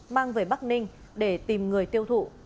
mang về bắc ninh để tìm người tiêu thụ